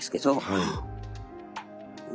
はい。